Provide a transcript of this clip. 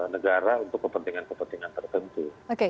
negara untuk kepentingan kepentingan tertentu